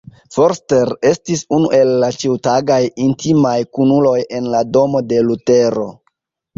Forster estis unu el la ĉiutagaj intimaj kunuloj en la domo de Lutero.